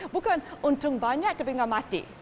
bukan untung banyak tapi nggak mati